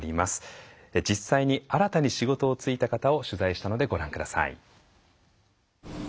実際に新たに仕事に就いた方を取材したのでご覧ください。